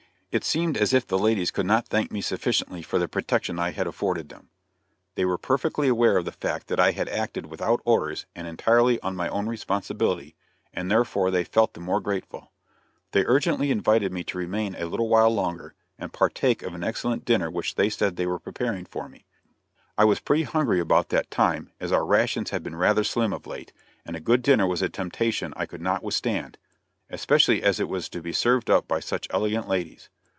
It seemed as if the ladies could not thank me sufficiently for the protection I had afforded them. They were perfectly aware of the fact that I had acted without orders and entirely on my own responsibility, and therefore they felt the more grateful. They urgently invited me to remain a little while longer and partake of an excellent dinner which they said they were preparing for me. I was pretty hungry about that time, as our rations had been rather slim of late, and a good dinner was a temptation I could not withstand, especially as it was to be served up by such elegant ladies.